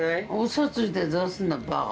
嘘ついてどうすんだバカ。